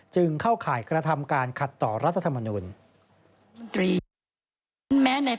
จึงเข้าข่ายกระทำการขัดต่อรัฐธรรมนุน